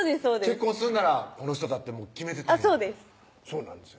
結婚するならこの人だってもう決めてたんやそうですそうなんですよ